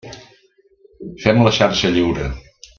Fem la xarxa lliure.